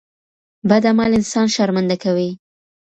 بد عمل انسان شرمنده کوي.